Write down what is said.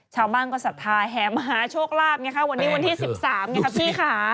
ชาวบ้านกษัตริย์แฮมมหาโชคลาภวันนี้วันที่๑๓นี่ครับพี่ค่ะ